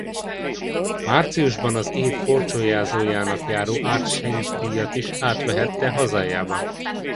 Márciusban az év korcsolyázójának járó Ard Schenk-díjat is átvehette hazájában.